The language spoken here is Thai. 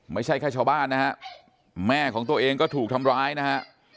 ไม่ใช่แค่ชาวบ้านนะฮะแม่ของตัวเองก็ถูกทำร้ายนะฮะ